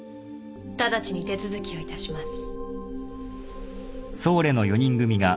直ちに手続きをいたします。